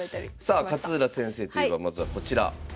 さあ勝浦先生といえばまずはこちら。